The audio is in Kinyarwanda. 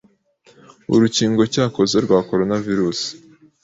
urukingo cyakoze rwa Coronavirus